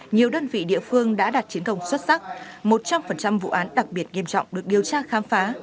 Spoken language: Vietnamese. nhiều đơn vị địa phương đã đạt chiến công xuất sắc một trăm linh vụ án đặc biệt nghiêm trọng được điều tra khám phá